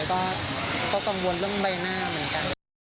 ก็กังวลเรื่องใบหน้าเหมือนกัน